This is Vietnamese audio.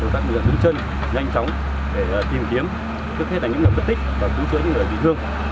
các người đứng chân nhanh chóng để tìm kiếm trước hết là những người mất tích và cứu trợ những người bị thương